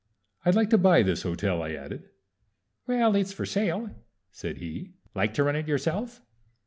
"I'd like to buy this hotel," I added. "Well, it's for sale," said he. "Like to run it yourself?"